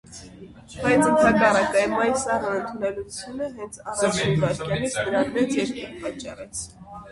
բայց, ընդհակառակն՝ Էմմայի սառն ընդունելությունը հենց առաջին վայրկյանից նրան մեծ երկյուղ պատճառեց.